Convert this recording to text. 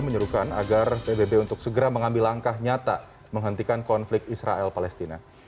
menyuruhkan agar pbb untuk segera mengambil langkah nyata menghentikan konflik israel palestina